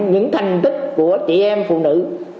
những thành tích của chị em phụ nữ